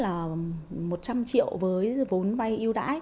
là một trăm linh triệu với vốn vai yêu đãi